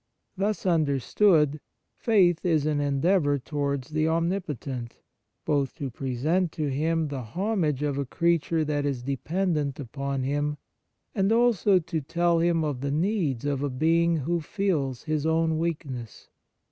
Thus understood, faith is an en deavour towards the Omnipotent, both to present to Him the homage of a creature that is dependent upon Him, and also to tell Him of the needs of a being who feels his own weakness.